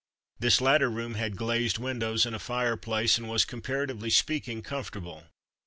This latter room had glazed windows, and a fire place, and was, comparatively speaking, comfortable.